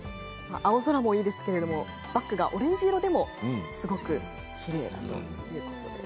青空もきれいですがバックがオレンジ色でもすごくきれいだということです。